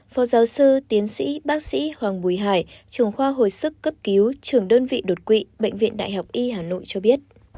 phó giáo sư tiến sĩ bác sĩ hoàng bùi hải trường khoa hồi sức cấp cứu trường đơn vị đột quỵ bệnh viện đại học y hà nội cho biết